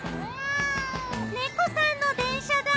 猫さんの電車だ！